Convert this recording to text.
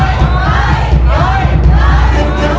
ย่วยอย่อย่อย